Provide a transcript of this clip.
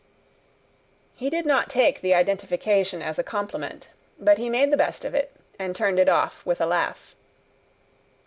He did not take the identification as a compliment; but he made the best of it, and turned it off with a laugh.